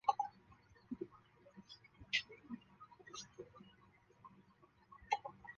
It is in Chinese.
叶头风毛菊为菊科风毛菊属的植物。